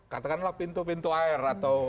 katakanlah pintu pintu air atau